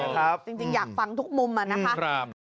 ใช่จริงอยากฟังทุกมุมมานะครับ